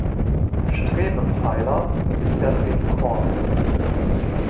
Strebepfeiler gliedern den Chor.